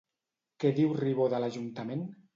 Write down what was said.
Què diu Ribó de l'Ajuntament?